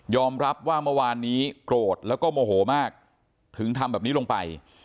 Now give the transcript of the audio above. รับว่าเมื่อวานนี้โกรธแล้วก็โมโหมากถึงทำแบบนี้ลงไป